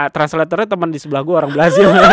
translatornya temen di sebelah gue orang belajir